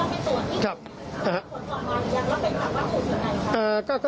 คุณตรวจมาหรือยังแล้วเป็นความว่าถูกอยู่ไหนครับ